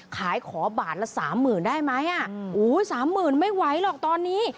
ขายขอบาทละสามหมื่นได้ไหมสามหมื่นไม่ไหวหรอกตอนนี้